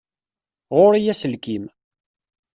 Ɣur-i aselkim.